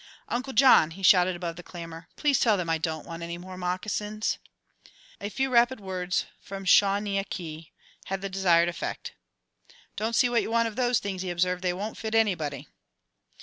"Uncle John," he shouted above the clamour, "please tell them I don't want any more moccasins!" A few rapid words from Shaw ne aw kee had the desired effect. "Don't see what you want of those things," he observed; "they won't fit anybody."